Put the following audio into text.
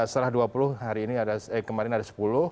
serah dua puluh hari ini kemarin ada